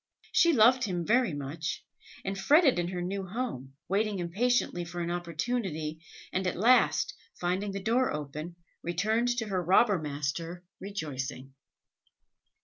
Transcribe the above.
She loved him very much, and fretted in her new home, waited impatiently for an opportunity, and at last, finding the door open, returned to her robber master rejoicing.